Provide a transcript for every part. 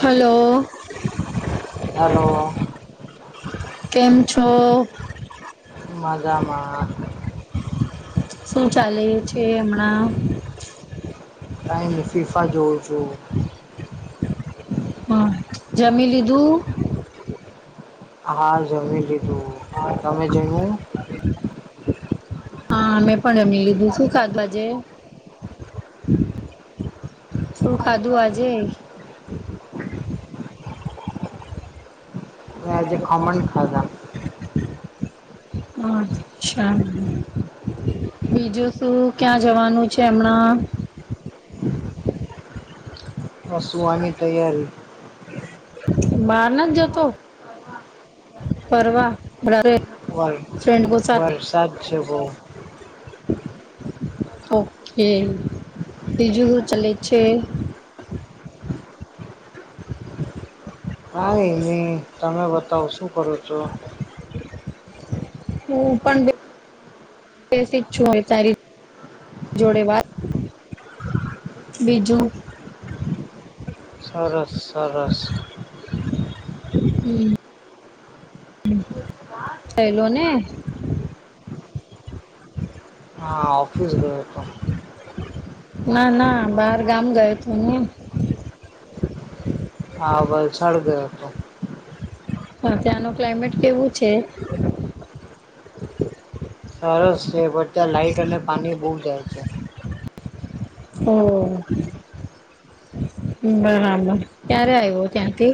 Hello hello કેમ છો મજામાં શું ચાલે છે હમણાં કઈ ની ફીફા જોઉં છું હા જમી લીધું હા જમી લીધું તમે જમીલીધું હા મેં પણ જમી લીધું શું કાધુ આજે શું ખાધું આજે એ જે ખમણ ખાધા અચ્છા બીજું શું ક્યાં જવાનું છે હમણાં સુ વાની તૈયારી બાર નથ જતો ફરવા બારે વર ફ્રેન્ડો સાથે વરસાદ છે બહુ ઓકે બીજું સુ ચાલે છે હા એ નહી તમે બતાવ શું કરો છો હુ પણ બ બેસી છુ હવે ચાલી જોડે વાત બીજું સરસ સરસ હમ સહેલો ને હા ઓફીસ ગયોતો ના ના બાર ગામ ગયો છું હું. હા વલસાડ ગયો હતો. પણ ત્યાંનું ક્લાઇમેટ કેવું છે. સરસ છે પણ ત્યાં લાઈટ અને પાણી બહુ જાય છે. હો. બરાબર ક્યારે આવ્યો ત્યાંથી.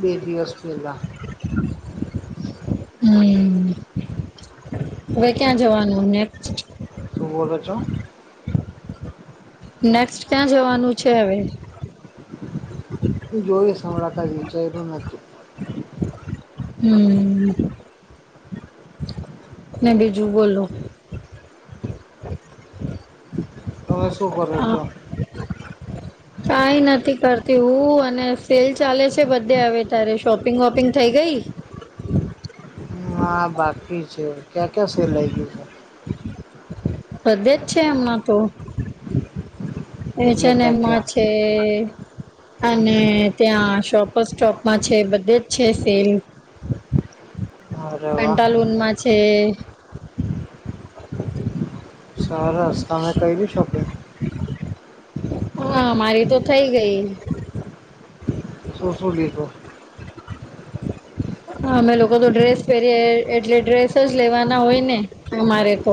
બે દિવસ પેલા. હમ. હવે ક્યાં જવાનું ને. શું બોલ છો. નેક્સ્ટ ક્યાં જવાનું છે હવે. એ જોઈશ હમણાં કાય વિચારું નથી. હમ. ને બીજું બોલો. તમે શું બોલો છો. કઈ નથી કરતી હું અને સેલ ચાલે છે બધા. તે હવે ત્યારે શોપિંગ વોપિંગ થઈ ગઈ. ના બાકી છે ક્યા ક્યાં શું લઈ લિઘુ. બધે છે એમના તો. એ છે એટલે ને ક્યાં એમાં ક્યાં છે. અને ત્યાં શોપ સોપમાં છે બધે જ છે સેલ. અરે [inaudible] વાહ પેન્ટાલુનમાં છે. [inaudible] સરસ તમે શોપિંગ. હા મારી તો થઇ ગઈ. શું શું લીધુ. [inaudible] અમે લોકો તો ડ્રેસ પહેરીએ એટલે ડ્રેસ જ લેવાના હોય ને અમારે તો.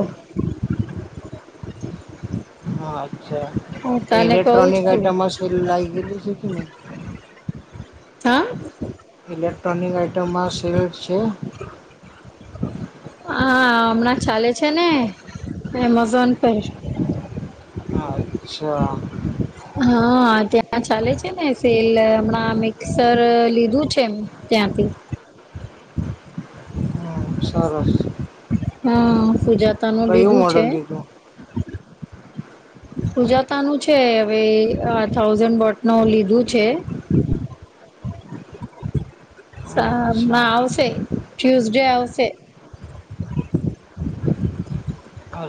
હા અચ્છા હું તને કહું ઇલેક્ટ્રોનિક છું આઈટમ મા સેલ લાગે લી છે કે નહી. હા. ઇલેક્ટ્રોનિક આઇટમમાં સેલ છે. હા હમણાં ચાલે છે ને એમેઝોન પર. હા. હ [inaudible] હા ત્યાં ચાલે છે ને સેલ હમણાં મિક્સર લીધું છે એમ. ત્યાંથી. હમ સરસ. હા પૂજા તનું કયું લીધું છે. મોડલ લીધું સુજાતા નું છે હવે આ અ થાઉઝન્ડ બોટ ન લીધું છે. સા અચ્છા ના આવશે ટ્યુઝડે આવશે.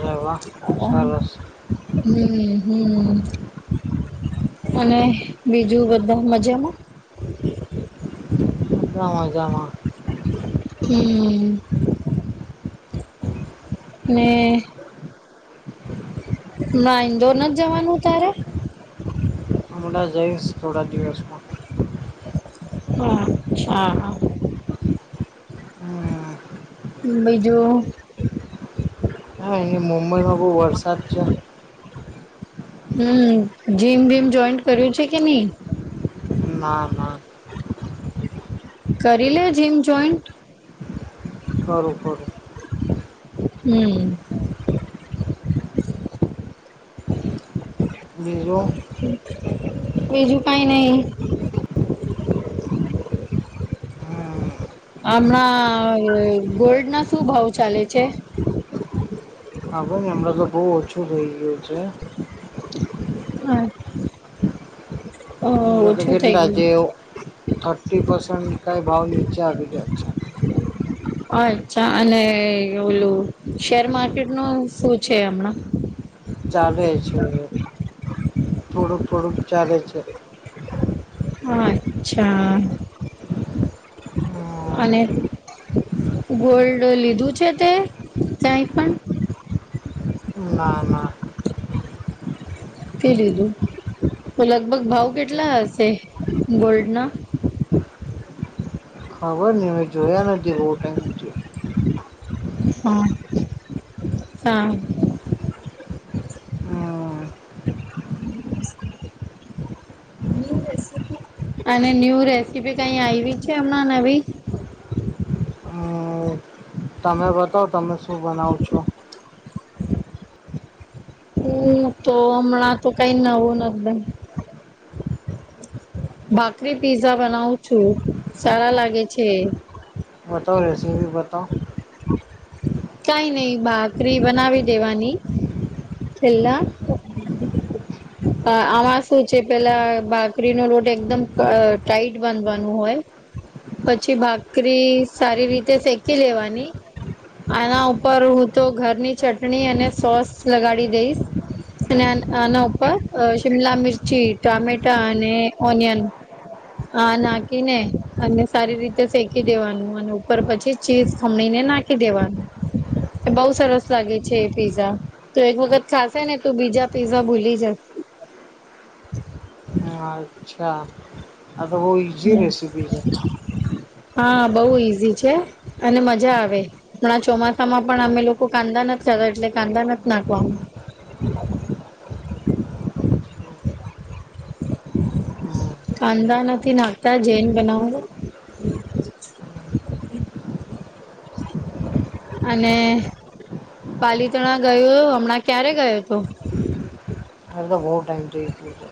હવા. હમ હમ. અને બીજું બધુ મજામાં. બઘા મજામાં. હમ. ને ના ઇન્દોર ના જવાનું તારે. હમણાં જઈશ થોડા દિવસમાં હમ અચ્છા હા. હમ. બીજું હા એ મુંબઈમાં બહુ વરસાદ છે. હમ્મ જીમ વિમ જોઈન્ટ કર્યું છે કે નહી. ના ના. કરી લે જીમ જોઈન્ટ. કરું કરું. હમ્મ. બીજું. બજું કઈ નહી. હમ હમણાં ગોલ્ડ ના શું ભાવ ચાલે છે. સાંભળની હમણાં તો બહુ ઓછું થઇ ગયું છે. હા. કેટલા જેવો થર્ટી પસેન્ટ કઈ ભાવ નીચે આવી ગયા છે. અચ્છા અને ઓલું શેર માર્કેટ નું શું છે હમણાં. ચાલે છે થોડુંક થોડુંક ચાલે છે. અચ્છા હમ અને ગોલ્ડ લીધું છે તે ત્યાંય પણ. ના ના. પી લીધું તો લગભગ ભાવ કેટલા હશે ગોલ્ડના. ખબર નઈ મે જોયા નથી બહુ ટાઈમ હા સા હમ ન્યુ રેસીપી અને ન્યૂ રેસીપી કઈ આવી છે હમણા નવી. હા. તમે બતાવ તમે શું બનાવો છો. હું તો હમણાં તો કઈ નવું નથી બનાવ્યું. ભાખરી પીઝા બનાવું છું સારા લાગે છે. બતાઓ રેસીપી બતાઓ. [inaudible] કઈ નહીં ભાખરી બનાવી દેવાની. પેલા આમાં શું છે પેલા ભાખરીનો લોટ એકદમ ટાઈટ બાંધવાનું હોય. પછી ભાકરી સારી રીતે શેકી લેવાની. આના ઉપર હું તો ઘરની ચટણી અને સોસ લગાડી દઈશ અને આના ઉપર શિમલા મિરચી ટામેટા અને ઓનિયન આ નાખી ને અને સારી રીતે શેકી દેવાનું અને ઉપર પછી ચીઝ ખમણીને નાખી દેવાનું. બહુ સરસ લાગે છે એ પીઝા તો એક વખત ખાશે ને તો બીજા પીઝા ભૂલી જઈશ હા અચ્છા આ તો બહુ ઈ હમ્મ હા બહુ ઈઝી છે અને મજા આવે. પણ આ ચોમાસા માં પણ અમે લોકો કાંદા નથી ખાતા એટલે કાંદા નથી નાખવાનું. હમ. કાંદા નથી નાખતા જેૈન બનાવું. [inaudible] અને પાલિતણા ગયું હમણાં ક્યારે ગયો હતો. હવે તો બહુ ટાઈમ થઇ ગયું તો.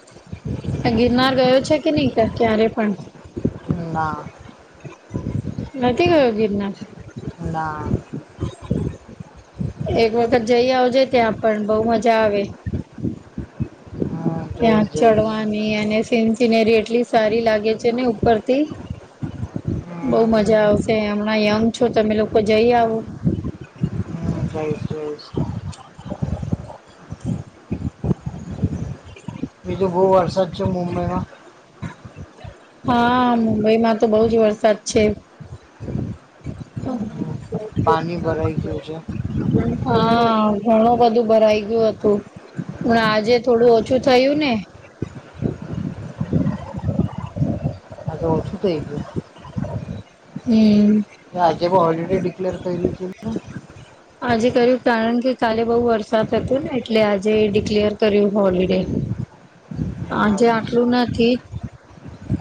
[inaudible] આ ગિરનાર ગયો છે કે નહી ક્યારે પણ. છે ના નથી ગયો ગિરનાર. ના. એક વખત જઈ આવજે ત્યાં પણ બહુ મજા આવે. હમ, જઈશ ત્યાં જઈશ ચડવાની અને સીન સિનેરી એટલી હમ. સારી લાગે છે ને ઉપરથી બહુ મજા આવશે, હમણાં યંગ છો તમે લોકો જઈ આવો [unintelligible] બીજો બહુ વરસાદ છે, મુંબઈમાં હા, મુંબઈમાં તો બહુ જ વરસાદ છે. હમ. પાણી ભરાઈ ગયું છે. હા, ઘણું બધું ભરાઈ ગયું હતું. હા આજે થોડું ઓછું થયું ને આજે ઓછું થઇ ગયું. હમ્મ આજે પણ હોલિડે ડિક્લેર કર્યું છે કે શું? [inaudible] આજે કર્યું કારણ કે કાલે બહુ વરસાદ હતો ને એટલે આજે ડિક્લેર કર્યું હોલિડે ને આજે આટલું અચ્છા નથી.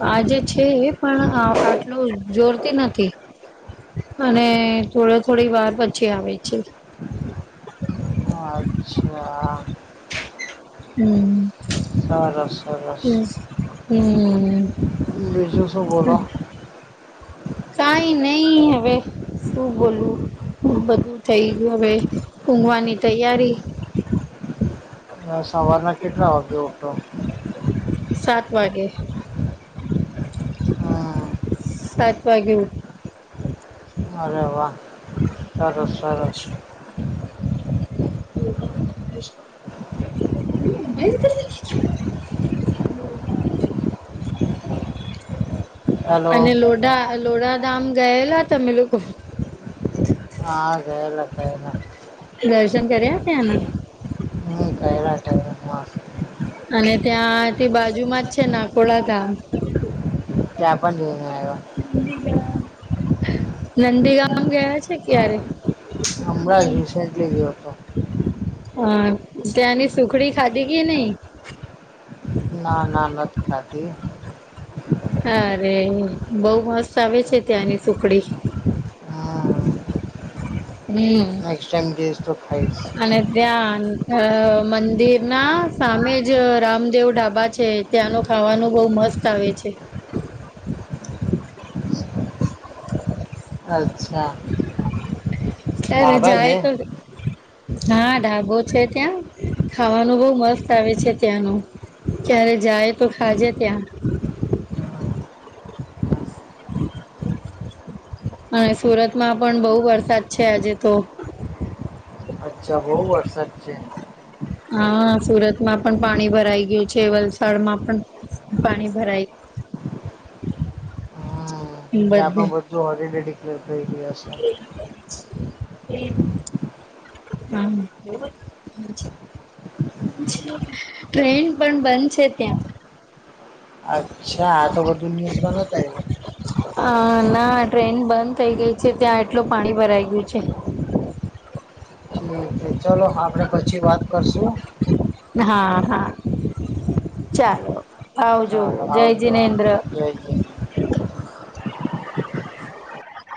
આજે છે, એ પણ આટલું જોર થી નથી અને થોડી થોડી વાર પછી આવે છે. અચ્છા હમ્મ સરસ સરસ હમ્મ બીજું શું બોલો કાઈ નહી હવે શું બોલું, બધું થઈ ગયું હવે ઊઘવાની તૈયારી [inaudible] સવારના કેટલા વાગે ઉઠો સાત વાગે હમ સાત વાગે ઉઠ અરે વાહ, સરસ સરસ [unintelligible] [unintelligible] [inaudible] અને હલો લોઢા લોડાધામ ગયેલા તમે લોકો હા જયલા જઈલા દર્શન કર્યા ત્યાના ચાયલા કરે [unintelligible] અને ત્યાં તે બાજુમાં જ છે, નાકોડા ગામ જાપાન જયેલા નંદીગામ ગયા છે, ક્યારે [inaudible] હમણાં જ રિસેન્ટલી ગયો હતો હા ત્યાંની સુખડી ખાધી કે નઈ ના ના નથી ખાઘી અરે બઉ મસ્ત આવે છે, ત્યાંની સુખડી હા હમ્મ જઈશ તો ખાઈશ અને ત્યાં મંદિર ના સામે જ રામદેવ ઢાબા છે, ત્યાંનો ખાવાનું બઉ મસ્ત આવે છે. અચ્છા અરે ધાબા છે જાયતો હા ઢાબો છે, ત્યાં ખાવાનું બવ મસ્ત આવે છે, ત્યાંનું ક્યારે જાય તો ખાજે ત્યાં [inaudible] અને સુરતમાં પણ બહુ વરસાદ છે, આજે તો અચ્છા બહુ ફોન કરશે વરસાદ છે હા સુરતમાં પણ પાણી ભરાઈ ગયું છે વલસાડમાં પણ પાણી ભરાય હમ [inaudible] ત્યાં પણ બધું હોલિડે ડિક્લેર થઈ ગ્યું હે [inaudible] [unintelligible] લેવો છે ના છે. ટ્રેન પણ બંધ છે ત્યાં અચ્છા આ તો બધું ન્યુઝમાં નથ આયવુ અ ના ટ્રેન બંધ થઇ ગઈ છે ત્યાં એટલું પાણી ભરાઈ ગ્યું છે ઠીક છે ચલો આપડે પછી વાત કરશું. હા હા ચાલો. આવજો જય જેનેન્દ્ર હે